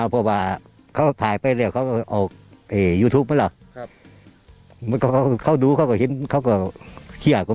พ่อภาพก็จะแต่นยังไงเนี่ยเนอะ